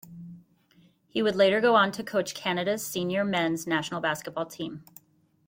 He would later go on to coach Canada's senior men's national basketball team.